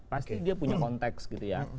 pasti dia punya konteks gitu ya